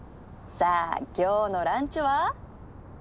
さあ今日のランチは？